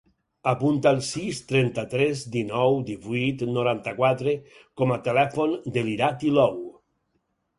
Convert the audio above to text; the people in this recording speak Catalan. Apunta el sis, trenta-tres, dinou, divuit, noranta-quatre com a telèfon de l'Irati Lou.